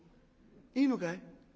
いいのかい？